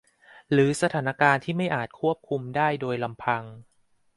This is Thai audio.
หรือสถานการณ์ที่ไม่อาจควบคุมได้โดยลำพัง